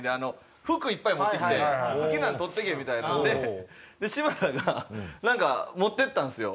服いっぱい持って来て「好きなん取ってけ」みたいなんで嶋佐が何か持って行ったんすよ。